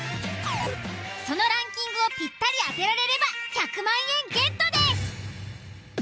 そのランキングをぴったり当てられれば１００万円ゲットです。